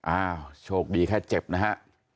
อ้าวโชคดีแค่เจ็บนะฮะ